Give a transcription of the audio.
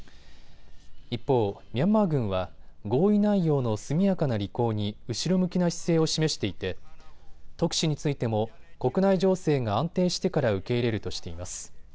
一方、ミャンマー軍は合意内容の速やかな履行に後ろ向きな姿勢を示していて特使についても国内情勢が安定してから受け入れるとしています。